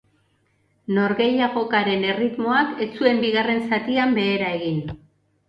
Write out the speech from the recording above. Norgehiagokaren erritmoak ez zuen bigarren zatian behera egin.